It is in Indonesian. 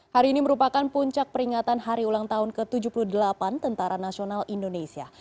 hari ini merupakan puncak peringatan hari ulang tahun ke tujuh puluh delapan tentara nasional indonesia